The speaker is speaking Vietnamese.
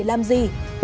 để làm gì